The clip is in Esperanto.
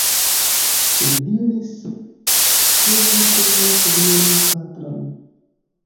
Li diris, ke vi konas lian patron.